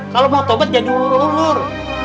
kalau mau taubat jadi ulur ulur